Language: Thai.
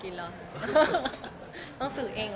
แฟนคลับของคุณไม่ควรเราอะไรไง